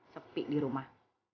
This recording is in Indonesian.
sepi di rumah